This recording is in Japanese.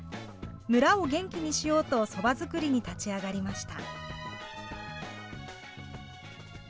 村を元気にしようとそば作りに立ち上がりました。